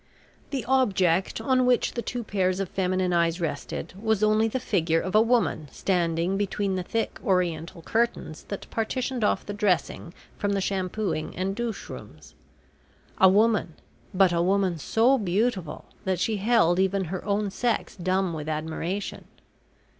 The object on which the two pairs of feminine eyes rested was only the figure of a woman standing between the thick oriental curtains that partitioned off the dressing from the shampooing and douche rooms. A woman but a woman so beautiful that she held even her own sex dumb with admiration.